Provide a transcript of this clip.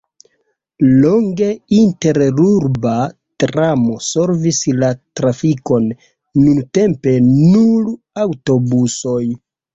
Longe interurba tramo solvis la trafikon, nuntempe nur aŭtobusoj.